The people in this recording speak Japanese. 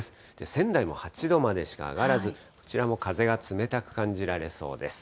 仙台も８度までしか上がらず、こちらも風が冷たく感じられそうです。